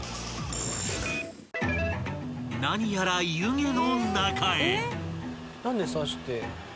［何やら湯気の中へ］